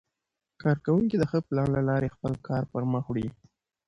کارکوونکي د ښه پلان له لارې خپل کار پرمخ وړي